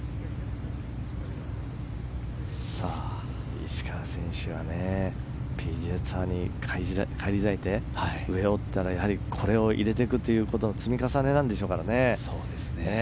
石川選手はＰＧＡツアーに返り咲いてこれを入れてくということの積み重ねでしょうからね。